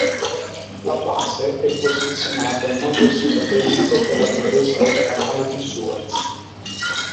La base è posizionata in modo strategico per la difesa del canale di Suez.